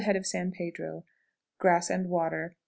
Head of San Pedro. Grass and water.